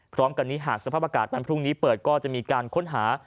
พร้อมกันนี้หากสภาพอากาศวันพรุ่งนี้เปิดก็จะมีการค้นหา